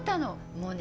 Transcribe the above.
もうね